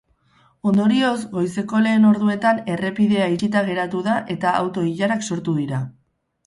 Ondorioz, goizeko lehen orduetan errepidea itxita geratu da eta auto-ilarak sortu dira.